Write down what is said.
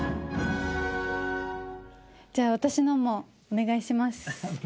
じゃあ私のもお願いします。